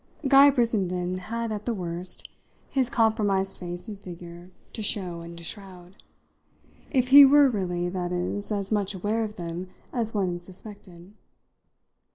Guy Brissenden had, at the worst, his compromised face and figure to show and to shroud if he were really, that is, as much aware of them as one had suspected.